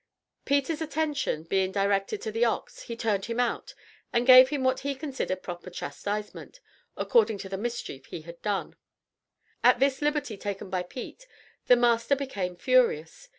Peter's attention being directed to the ox, he turned him out, and gave him what he considered proper chastisement, according to the mischief he had done. At this liberty taken by Pete, the master became furious.